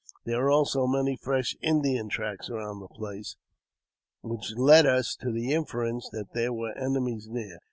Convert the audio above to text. There were also many fresh Indian tracks about the place, which led us to the inference that there were enemies near.